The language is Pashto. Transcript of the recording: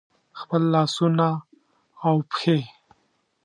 خپل لاسونه او پښې